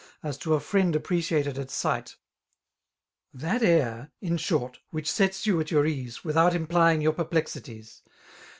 As to a friend appreciated at sights ^ That air^ in shorty whicfti sets you at. your ease> '■* Without implying your perplexittes.